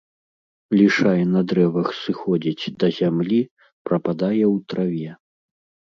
Лішай на дрэвах сыходзіць да зямлі, прападае ў траве.